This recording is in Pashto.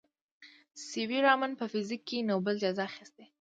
سي وي رامن په فزیک کې نوبل جایزه اخیستې.